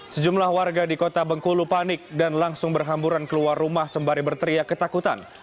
sejumlah warga di kota bengkulu panik dan langsung berhamburan keluar rumah sembari berteriak ketakutan